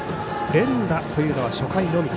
連打というのは初回のみ。